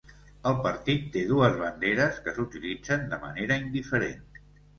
El partit té dues banderes que s'utilitzen de manera indiferent.